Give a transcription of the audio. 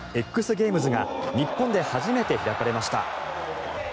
Ｘゲームズが日本で初めて開かれました。